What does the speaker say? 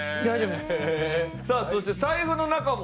さあそして財布の中も。